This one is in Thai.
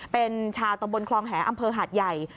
เป็นชาวตำบลคลองแหอำเภอหาดใหญ่